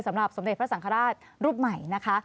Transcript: สำหรับสมเด็จพระสังฆราชรูปใหม่นะคะ